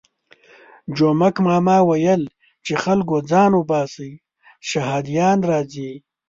جومک ماما ویل چې خلکو ځان باسئ شهادیان راځي.